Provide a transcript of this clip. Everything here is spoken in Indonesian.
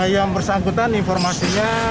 yang bersangkutan informasinya